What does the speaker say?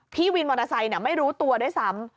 พี่วินมอเตอร์ไซค์ไม่รู้ตัวด้วยซ้ำ